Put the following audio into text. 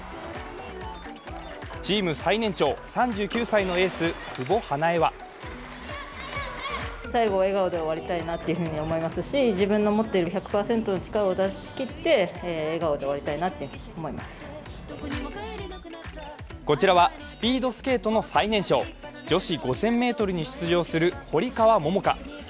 チーム最年少、３９歳のエース、久保英恵はこちらはスピードスケートの最年少、女子５０００ｍに出場する堀川桃香。